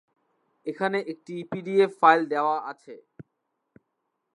এখানে একটি PDF file দেওয়া আছে।